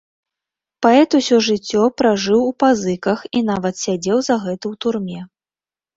Паэт усё жыццё пражыў у пазыках і нават сядзеў за гэта ў турме.